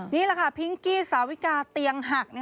นี่แหละค่ะพิงกี้สาวิกาเตียงหัก